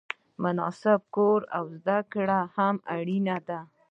مناسب کور او زده کړې هم اړینې دي.